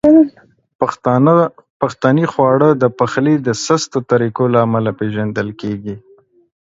پښتني خواړه د پخلي د سستو طریقو له امله پیژندل کیږي.